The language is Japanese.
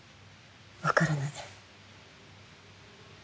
わからない。